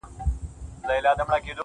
گلي نن بيا راته راياده سولې.